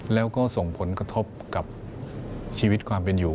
แล้วก็ส่งผลกระทบกับชีวิตความเป็นอยู่